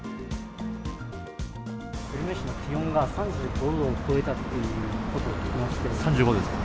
久留米市の気温が３５度を超えたっていうことですけど。